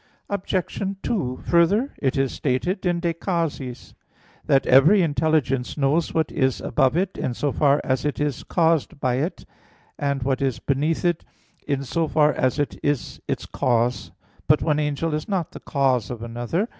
Obj. 2: Further, it is stated in De Causis that "every intelligence knows what is above it, in so far as it is caused by it; and what is beneath it, in so far as it is its cause." But one angel is not the cause of another.